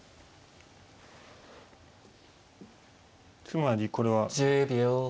つまりこれは。